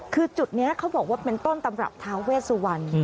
คือจุดนี้เขาบอกว่าเป็นต้นตำรับทาเวสวรรณ